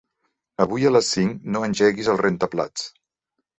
Avui a les cinc no engeguis el rentaplats.